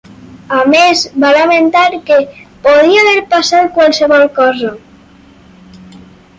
A més, va lamentar que ‘podia haver passat qualsevol cosa’.